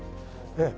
ええ。